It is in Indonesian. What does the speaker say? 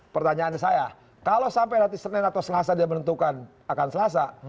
pertanyaan saya kalau sampai nanti senin atau selasa dia menentukan akan selasa